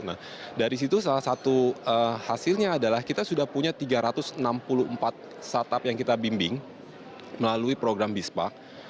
nah dari situ salah satu hasilnya adalah kita sudah punya tiga ratus enam puluh empat startup yang kita bimbing melalui program bispa